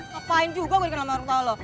ngapain juga gua dikenal sama orang tua lo